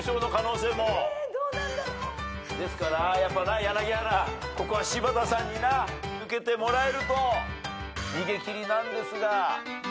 ですからやっぱな柳原ここは柴田さんにな抜けてもらえると逃げ切りなんですが。